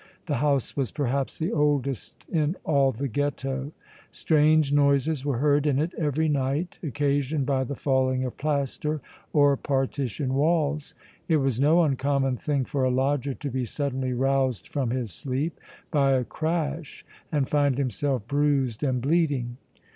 The house was perhaps the oldest in all the Ghetto. Strange noises were heard in it every night occasioned by the falling of plaster or partition walls. It was no uncommon thing for a lodger to be suddenly roused from his sleep by a crash and find himself bruised and bleeding.